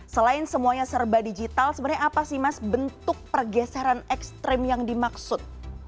selain semuanya serba digital sebenarnya apa sih mas bentuk pergeseran ekstrim yang dimaksud